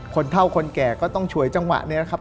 เท่าคนแก่ก็ต้องฉวยจังหวะนี้นะครับ